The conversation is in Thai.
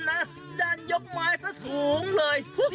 นะดันยกไม้สักสูงเลย